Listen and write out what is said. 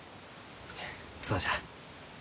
そうじゃ。